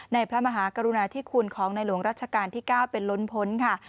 ในพระมหากรุณาที่คุณของนายหลวงรัชกาลที่เก้าเป็นล้นพ้นค่ะ